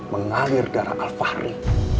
mengalir darah al fahri